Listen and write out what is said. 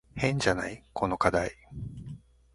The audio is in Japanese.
変じゃない？この課題。